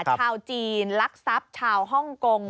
ชาวจีนลักทรัพย์ชาวฮ่องกง